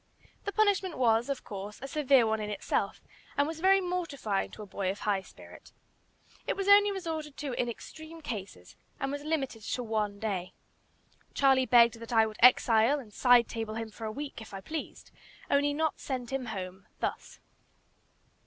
The punishment was, of course, a severe one in itself, and was very mortifying to a boy of high spirit. It was only resorted to in extreme cases, and was limited to one day. Charlie begged that I would "exile" and "side table" him for a week, if I pleased; only not send him home thus.